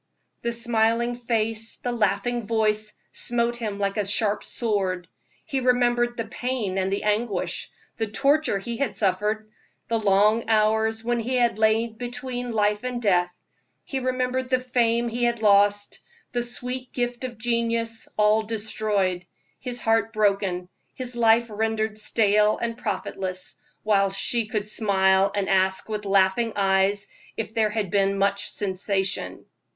The smiling face, the laughing voice, smote him like a sharp sword. He remembered the pain and the anguish, the torture he had suffered, the long hours when he had lain between life and death; he remembered the fame he had lost, the sweet gift of genius, all destroyed; his heart broken, his life rendered stale and profitless, while she could smile and ask with laughing eyes if there had been much sensation.